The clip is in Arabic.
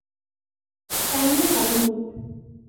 سامي طبيب.